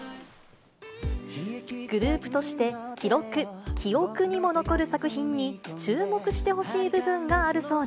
グループとして記録、記憶にも残るこの作品に注目してほしい部分があるそうで。